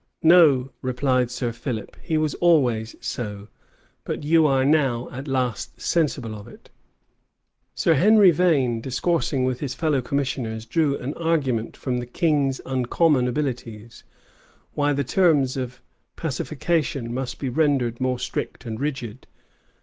"No," replied Sir Philip, "he was always so: but you are now at last sensible of it."[*] Sir Henry Vane, discoursing with his fellow commissioners, drew an argument from the king's uncommon abilities, why the terms of pacification must be rendered more strict and rigid.